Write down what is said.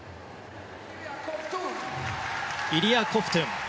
イリア・コフトゥン。